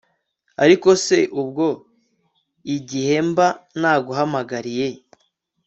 ariko se ubwo igihe mba naguhamagariye